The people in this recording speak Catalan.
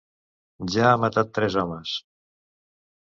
Ja ha matat tres homes.